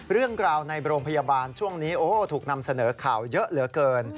เรื่องราวในโรงพยาบาลช่วงนี้ถูกนำเสนอข่าวเยอะเหลือเกิน